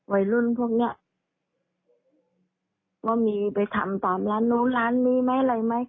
วัยรุ่นพวกเนี้ยว่ามีไปทำตามร้านนู้นร้านนี้ไหมอะไรไหม